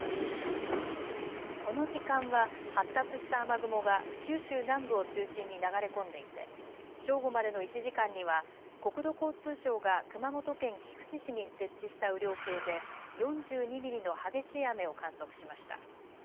この時間は発達した雨雲が九州南部を中心に流れ込んでいて正午までの１時間には国土交通省が熊本県菊池市に設置した雨量計で４２ミリの激しい雨を観測しました。